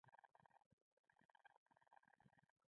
د دعا ږغ تر آسمانه رسي.